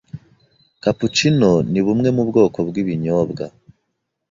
capuccino ni bumwe mu bwoko bwibinyobwa